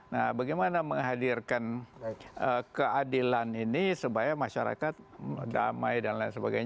nah bagaimana menghadirkan keadilan ini supaya masyarakat damai dan lain sebagainya